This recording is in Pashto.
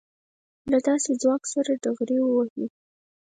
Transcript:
له داسې ځواک سره ډغرې ووهي.